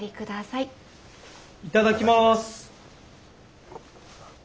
いただきます。